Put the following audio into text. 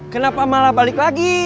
kenapa malah balik lagi